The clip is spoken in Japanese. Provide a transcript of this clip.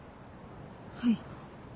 はい。